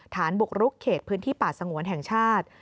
ฐานบุกรุกเขตพื้นที่ป่าสงวนแห่งชาติ